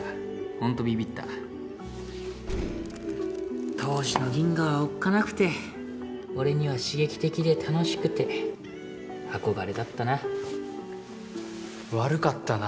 ほんとびびった当時のギンガはおっかなくて俺には刺激的で楽しくて憧れだったな悪かったな